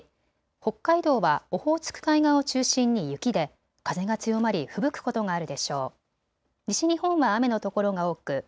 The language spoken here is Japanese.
北海道はオホーツク海側を中心に雪で風が強まりふぶくことがある